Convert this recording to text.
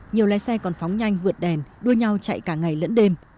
nhiều lái xe còn phóng nhanh vượt đèn đua nhau chạy cả ngày lẫn đêm